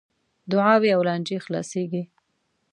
دعاوې او لانجې خلاصیږي .